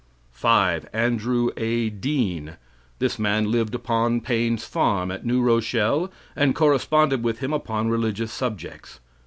5. Andrew A. Dean. This man lived upon Paine's farm, at New Rochelle, and corresponded with him upon religious subjects.